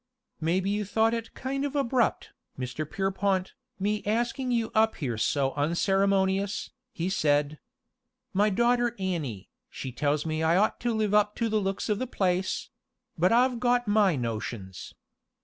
"Maybe you thought it kind of abrupt, Mr. Pierrepont, me asking you up here so unceremonious," he said. "My daughter Annie, she tells me I ought to live up to the looks of the place; but I've got my notions.